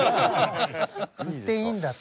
振っていいんだって。